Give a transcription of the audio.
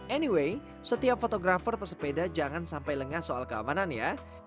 anyway setiap fotografer pesepeda jangan sampai lengah soal keamanan ya